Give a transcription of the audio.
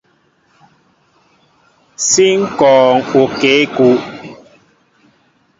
Si ŋkɔɔŋ okěkúw.